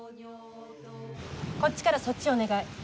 こっちから、そっちお願い。